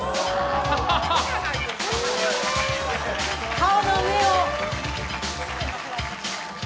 顔の上を。